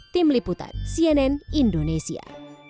tim liputan cnn indonesia